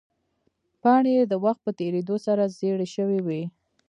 پاڼې یې د وخت په تېرېدو سره زیړې شوې وې.